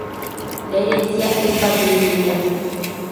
La herencia es patrilineal.